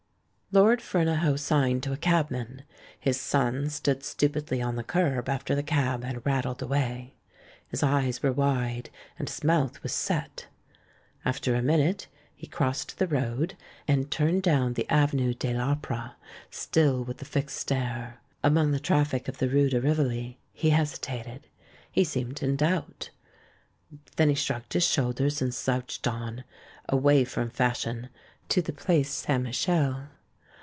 Lorn Fernahoe signed to a cabman. His son stood stupidly on the kerb after the cab had rat tled away. His eyes were wide, and his mouth was set. After a minute he crossed the road, and turned down the avenue de I'Opera, still with the fixed stare. Among the traffic of the rue de Rivoli, he hesitated; he seemed in doubt. Then he shrugged his shoulders, and slouched on — away from fashion, to the place St. Michel.